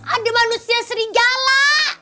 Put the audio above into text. ada manusia serigala